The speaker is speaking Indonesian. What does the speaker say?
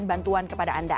dan bantuan kepada anda